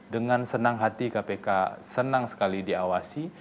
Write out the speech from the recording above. dengan senang hati kpk senang sekali diawasi